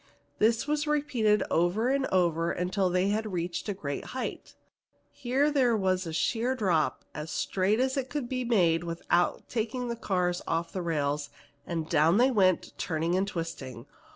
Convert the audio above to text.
This was repeated over and over until they had reached a great height. Here there was a sheer drop as straight as it could be made without taking the cars off the rails, and down they went, turning and twisting.